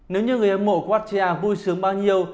nếu như người ấm mộ quartia vui sướng bao nhiêu